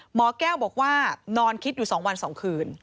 หมอแก้วบอกว่านอนคิดอยู่๒วัน๒คืน